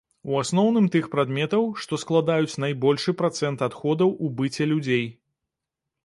У асноўным тых прадметаў, што складаюць найбольшы працэнт адходаў у быце людзей.